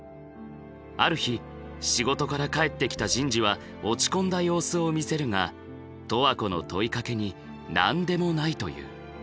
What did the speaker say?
ある日仕事から帰ってきた陣治は落ち込んだ様子を見せるが十和子の問いかけに「なんでもない」と言う。